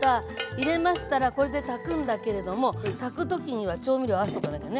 入れましたらこれで炊くんだけれども炊く時には調味料合わせとかなきゃね。